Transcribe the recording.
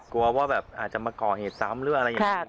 กลัวว่าแบบอาจจะมาก่อเหตุซ้ำหรืออะไรอย่างนี้